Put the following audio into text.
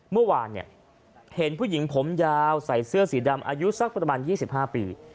เมื่อวานเห็นผู้หญิงผมยาวใส่เสื้อสีดำอายุสักประมาณ๒๕ปี